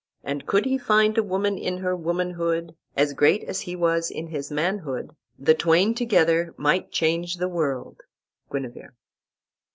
"And could he find a woman in her womanhood As great as he was in his manhood The twain together might change the world." Guinevere.